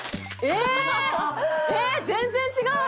えっ全然違う！